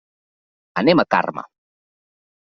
Anem a Carme.